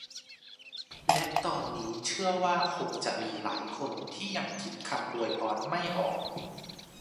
และตอนนี้เชื่อว่าคงจะมีหลายคนที่ยังคิดคำอวยพรไม่ออก